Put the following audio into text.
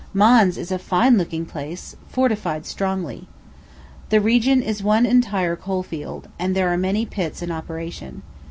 Mons is a fine looking place, fortified strongly. The region is one entire coal field, and there are many pits in operation.